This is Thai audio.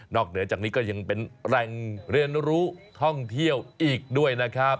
เหนือจากนี้ก็ยังเป็นแหล่งเรียนรู้ท่องเที่ยวอีกด้วยนะครับ